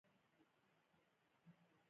ګیزاب ولسوالۍ لیرې ده؟